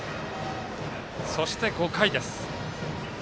そして、５回です。